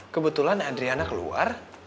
kebetulan adriana keluar